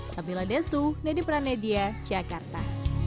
sampai jumpa lagi di pranedia jakarta